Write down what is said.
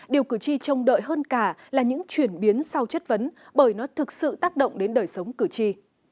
điều cử tri trông đợi hơn cả là những chuyển biến sau chất vấn bởi nó thực sự tác động đến đời sống cử tri